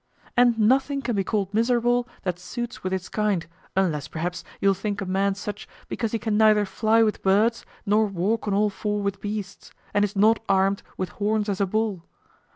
And nothing can be called miserable that suits with its kind, unless perhaps you'll think a man such because he can neither fly with birds, nor walk on all four with beasts, and is not armed with horns as a bull.